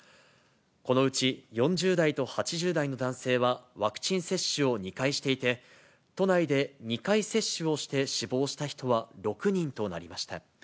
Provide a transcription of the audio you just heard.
このうち４０代と８０代の男性は、ワクチン接種を２回していて、都内で２回接種をして死亡した人は６人となりました。